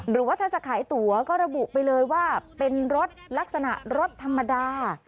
หรือว่าถ้าจะขายตั๋วก็ระบุไปเลยว่าเป็นรถลักษณะรถธรรมดา